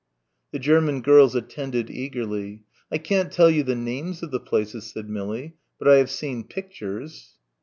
The German girls attended eagerly. "I can't tell you the names of the places," said Millie, "but I have seen pictures."